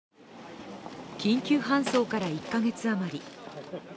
緊急搬送から１か月余り。